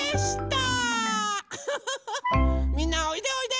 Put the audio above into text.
みんなおいでおいで！